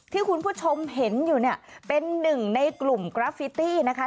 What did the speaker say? ที่คุณผู้ชมเห็นอยู่เนี่ยเป็นหนึ่งในกลุ่มกราฟิตี้นะคะ